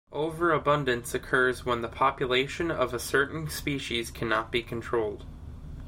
Overabundance occurs when the population of a certain species cannot be controlled.